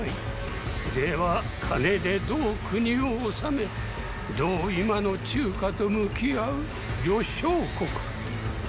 では“金”でどう国を治めどう今の中華と向き合う呂相国。